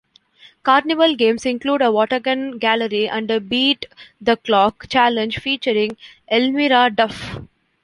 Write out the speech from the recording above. Carnival games include a watergun gallery and a beat-the-clock challenge featuring Elmyra Duff.